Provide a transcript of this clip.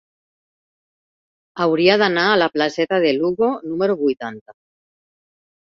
Hauria d'anar a la placeta de Lugo número vuitanta.